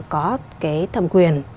có cái thẩm quyền